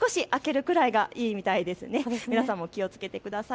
皆さんも気をつけてください。